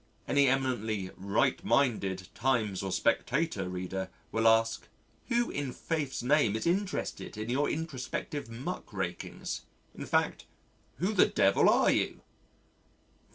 Any eminently "right minded" Times or Spectator reader will ask: "Who in Faith's name is interested in your introspective muck rakings in fact, who the Devil are you?"